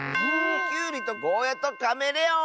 きゅうりとゴーヤーとカメレオン！